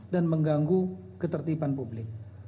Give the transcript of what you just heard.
dan mengganggu ketertiban publik